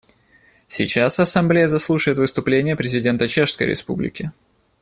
Сейчас Ассамблея заслушает выступление президента Чешской Республики.